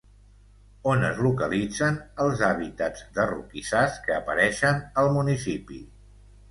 On es localitzen els hàbitats de roquissars que apareixen al municipi?